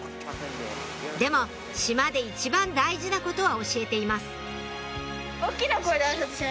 でも島で一番大事なことは教えています